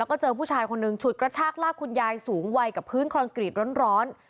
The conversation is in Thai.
แล้วก็เจอผู้ชายคนหนึ่งฉุดกระชากลากคุณยายสูงวัยกับพื้นคอนกรีตร้อน